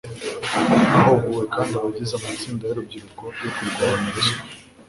hahuguwe kandi abagize amatsinda y'urubyiruko yo kurwanya ruswa